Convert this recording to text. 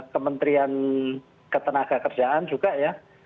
kementerian ketenagakerjaan juga ya